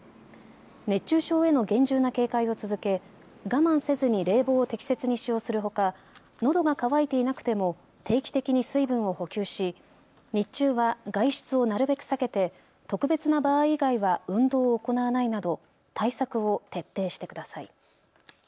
熱中症への厳重な警戒を続け我慢せずに冷房を適切に使用するほか、のどが渇いていなくても定期的に水分を補給し日中は外出をなるべく避けて特別な場合以外は運動を行わないなど対策を徹底してください。